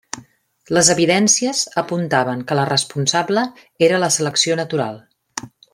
Les evidències apuntaven que la responsable era la selecció natural.